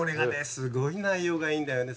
すごい内容がいいんだよね。